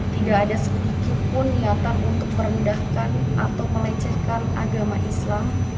tidak ada sedikitpun niatan untuk merendahkan atau melecehkan agama islam